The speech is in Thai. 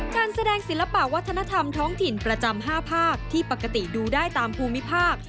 การแสดงศิลปะวัฒนธรรมท้องถิ่นประจำ๕ภาคที่ปกติดูได้ตามภูมิภาค